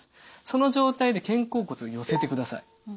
その状態で肩甲骨を寄せてください。